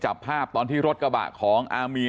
จับภาพตอนที่รถกระบะของอามีน